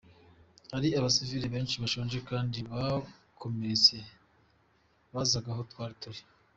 Hari abasivili benshi bashonje kandi bakomeretse bazaga aho twari turi.